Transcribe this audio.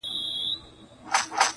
ما یې دنګه ونه په خوبونو کي لیدلې وه-